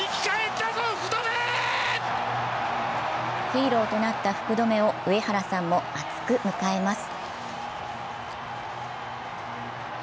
ヒーローとなった福留を上原さんも熱く出迎えます。